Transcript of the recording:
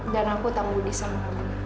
dan aku tak budi sama kamu